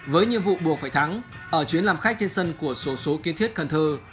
với nhiệm vụ buộc phải thắng ở chuyến làm khách trên sân của số số kiên thiết cần thơ